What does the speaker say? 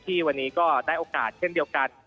ที่วันนี้ก็ได้โอกาสเช่นเดียวกัน